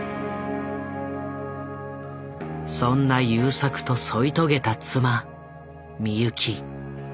そんな優作と添い遂げた妻美由紀。